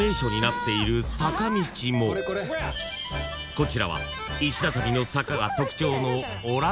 ［こちらは石畳の坂が特徴の］